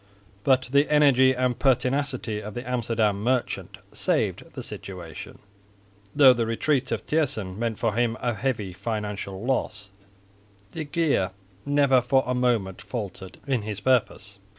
But the energy and pertinacity of the Amsterdam merchant saved the situation. Though the retreat of Thijssen meant for him a heavy financial loss, de Geer never for a moment faltered in his purpose.